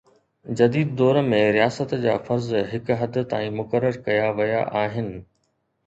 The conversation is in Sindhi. جديد دور ۾ رياست جا فرض هڪ حد تائين مقرر ڪيا ويا آهن.